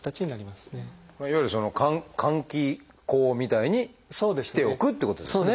いわゆる換気口みたいにしておくってことですね。